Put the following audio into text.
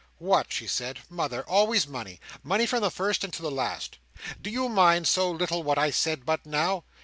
"What," she said, "mother! always money! money from the first, and to the last. Do you mind so little what I said but now?